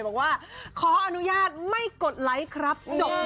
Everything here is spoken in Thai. บอกว่าขออนุญาตไม่กดไลค์ครับจบ